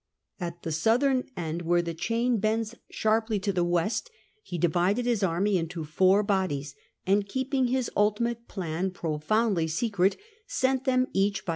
At the southern end, where the chain bends sharply to the west, he divided The Vosges his army into four bodies, and, keeping his ulti December mate plan profoundly secret, sent them each by 1674.